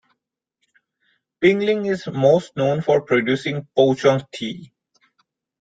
Pinglin is most known for producing pouchong tea.